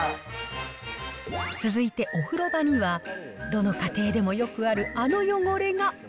続いて、お風呂場にはどの家庭でもよくある、あの汚れが。